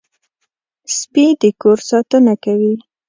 سپي د کور ساتنه کوي.